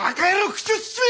口を慎め！